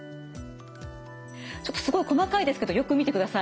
ちょっとすごい細かいですけどよく見てください。